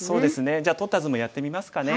じゃあ取った図もやってみますかね。